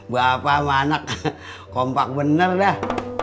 bapak manak kompak bener dah